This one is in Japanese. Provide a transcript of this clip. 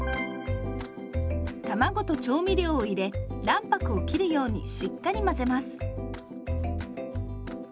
卵と調味料を入れ卵白をきるようにしっかり混ぜます。